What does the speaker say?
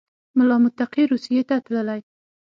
ملا متقي روسیې ته تللی